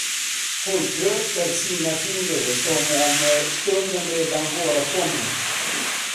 Hon kröker sina fingrar, som om stunden redan vore kommen.